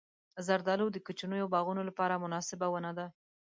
زردالو د کوچنیو باغونو لپاره مناسبه ونه ده.